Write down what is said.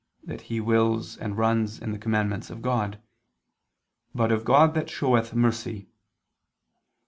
that he wills and runs in the commandments of God, "but of God that showeth mercy."